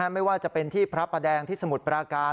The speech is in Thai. ไม่ว่าจะเป็นที่พระประแดงที่สมุทรปราการ